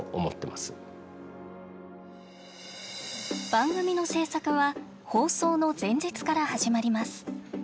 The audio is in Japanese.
番組の制作は放送の前日から始まります。